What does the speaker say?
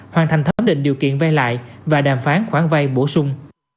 hoàn thành thấm định điều kiện vay lại và đàm phán khoản vay bổ sung